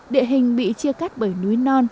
địa hình bị chia cắt bởi núi non